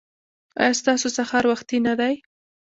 ایا ستاسو سهار وختي نه دی؟